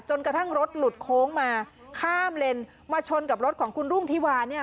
กระทั่งรถหลุดโค้งมาข้ามเลนมาชนกับรถของคุณรุ่งธิวาเนี่ย